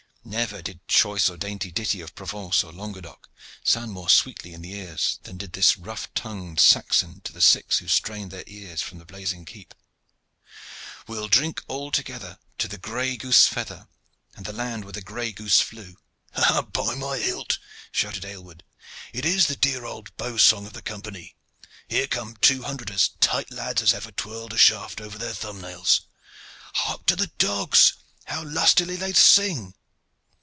Never did choice or dainty ditty of Provence or Languedoc sound more sweetly in the ears than did the rough tongued Saxon to the six who strained their ears from the blazing keep: We'll drink all together To the gray goose feather And the land where the gray goose flew. "Ha, by my hilt!" shouted Aylward, "it is the dear old bow song of the Company. Here come two hundred as tight lads as ever twirled a shaft over their thumbnails. Hark to the dogs, how lustily they sing!"